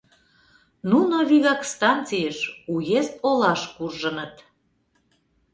Нуно вигак станцийыш, уезд олаш куржыныт.